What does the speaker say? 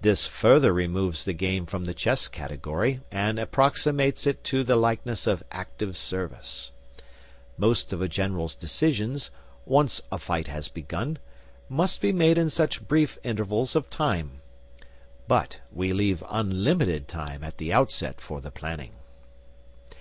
This further removes the game from the chess category, and approximates it to the likeness of active service. Most of a general's decisions, once a fight has begun, must be made in such brief intervals of time. (But we leave unlimited time at the outset for the planning.)